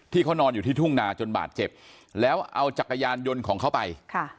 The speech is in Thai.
ที่เขานอนอยู่ที่ทุ่งนาจนบาดเจ็บแล้วเอาจักรยานยนต์ของเขาไป